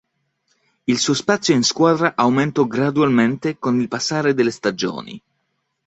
Il suo spazio in squadra aumentò gradualmente, con il passare delle stagioni.